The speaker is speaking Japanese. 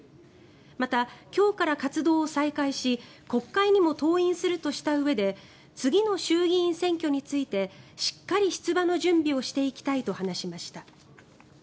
また、今日から活動を再開し国会にも登院するとしたうえで次の衆議院選挙についてしっかり出馬の準備をしていきたいと話しました。